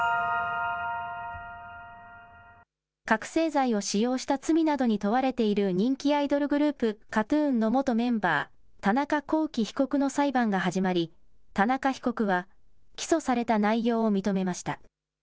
覚醒剤を使用した罪などに問われている人気アイドルグループ、ＫＡＴ−ＴＵＮの元メンバー、田中聖被告の裁判が始まり田中被告は起訴された内容を認めました。